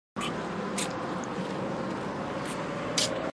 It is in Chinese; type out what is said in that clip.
粗裂复叶耳蕨为鳞毛蕨科复叶耳蕨属下的一个种。